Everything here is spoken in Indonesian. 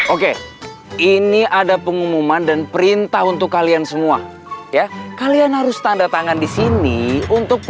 oke ini ada pengumuman dan perintah untuk kalian semua ya kalian harus tanda tangan di sini untuk